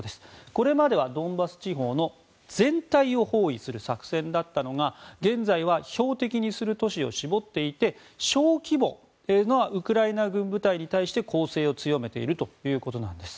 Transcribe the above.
これまではドンバス地方の全体を包囲する作戦だったのが現在は標的にする都市を絞っていて小規模なウクライナ軍部隊に対して攻勢を強めているということなんです。